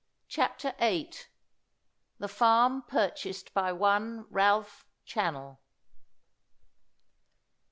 CHAPTER VIII. THE FARM PURCHASED BY ONE RALPH CHANNELL.